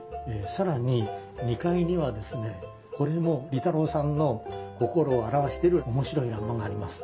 更に２階にはですねこれも利太郎さんの心を表してる面白い欄間があります。